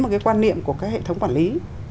một cái quan niệm của cái hệ thống quản lý